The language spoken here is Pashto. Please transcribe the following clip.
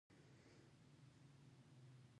له جميله سره مې کښتۍ ته په ورختو کې مرسته وکړه.